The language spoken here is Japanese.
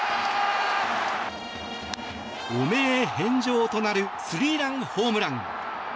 汚名返上となるスリーランホームラン。